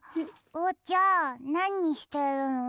おうちゃんなにしてるの？